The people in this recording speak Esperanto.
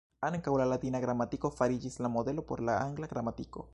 Ankaŭ la latina gramatiko fariĝis la modelo por la angla gramatiko.